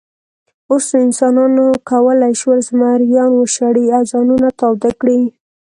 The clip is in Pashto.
اوس نو انسانانو کولی شول، زمریان وشړي او ځانونه تاوده کړي.